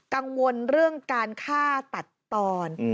กังวลเรื่องการฆ่าตัดตอน